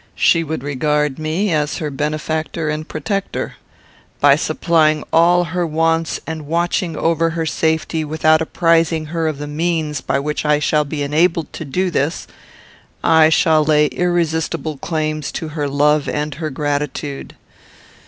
She would regard me as her benefactor and protector. By supplying all her wants and watching over her safety without apprizing her of the means by which I shall be enabled to do this, I shall lay irresistible claims to her love and her gratitude.